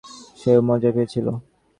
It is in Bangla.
সেও মজা পেয়েছিল।